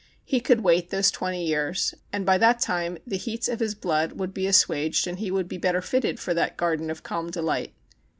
He could wait those twenty years, and by that time the heats of his Llood would be assuaged and he would be better fitted for that garden of calm delight.